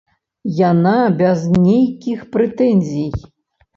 Яна без нейкіх прэтэнзій.